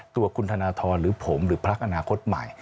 ตัวคุณธนทรหรือผมหรือพักอนาคตใหม่